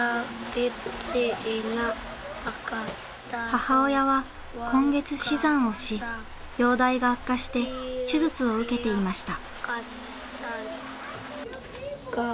母親は今月死産をし容体が悪化して手術を受けていました。